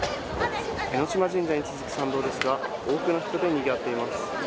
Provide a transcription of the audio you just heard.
江島神社に続く参道ですが、多くの人でにぎわっています。